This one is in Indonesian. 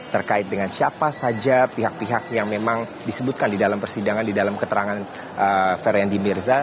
terkait dengan siapa saja pihak pihak yang memang disebutkan di dalam persidangan di dalam keterangan feryendi mirza